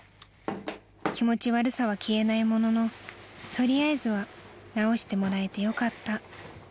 ［気持ち悪さは消えないものの取りあえずは直してもらえてよかった］